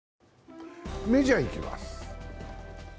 メジャー、いきます。